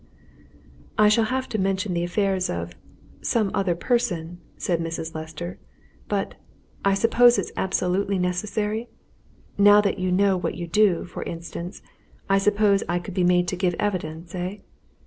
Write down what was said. "I shall have to mention the affairs of some other person," said Mrs. Lester. "But I suppose it's absolutely necessary? Now that you know what you do, for instance, I suppose I could be made to give evidence, eh!"